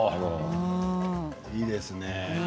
いいですね。